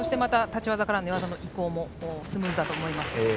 立ち技からの寝技の移行もスムーズだと思います。